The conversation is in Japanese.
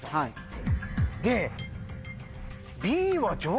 で。